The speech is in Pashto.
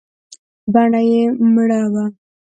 بڼه يې مړه وه .